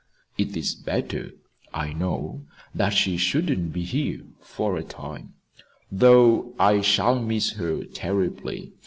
It is better, I know, that she shouldn't be here for a time. Though I shall miss her terribly.